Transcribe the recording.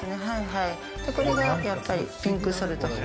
これがやっぱりピンクソルト。